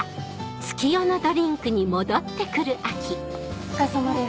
お疲れさまです。